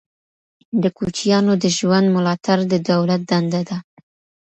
د کوچیانو د ژوند ملاتړ د دولت دنده ده.